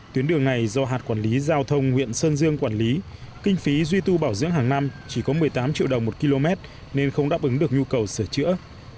tuyến đường này do hạt quản lý giao thông huyện sơn dương quản lý kinh phí duy tu bảo dưỡng hàng năm chỉ có một mươi tám triệu đồng một km nên không đáp ứng được nhu cầu sửa chữa